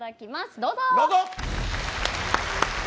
どうぞ。